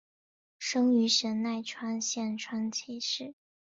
生于神奈川县川崎市。